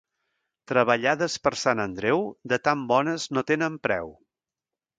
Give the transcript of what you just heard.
Treballades per Sant Andreu, de tan bones no tenen preu.